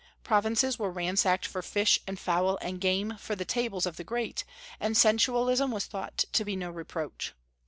Provinces were ransacked for fish and fowl and game for the tables of the great, and sensualism was thought to be no reproach.